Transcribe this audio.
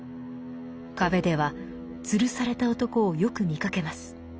「壁」ではつるされた男をよく見かけます。